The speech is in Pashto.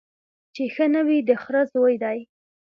چي ښه نه وي د خره زوی دی